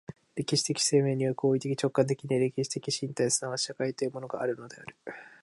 歴史的生命には行為的直観的に歴史的身体即ち社会というものがあるのである。